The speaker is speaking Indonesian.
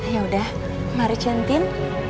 yaudah mari centin